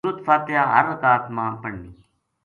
سورت فاتحہ ہر رکات ما پڑھنی۔